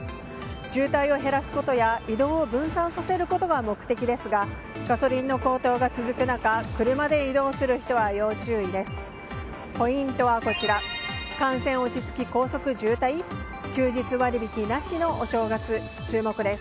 渋滞を減らすことや移動を分散させることが目的ですがガソリンの高騰が続く中車で移動する人は要注意です。